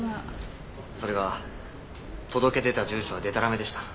それが届け出た住所はデタラメでした。